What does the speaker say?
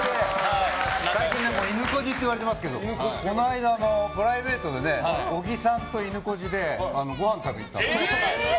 最近、いぬこじって言われてますけどこの間、プライベートで小木さんといぬこじでごはん食べに行ったんですよ。